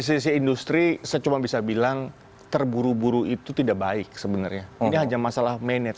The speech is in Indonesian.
indonesia industri secuma bisa bilang terburu buru itu tidak baik sebenarnya punya aja masalah menet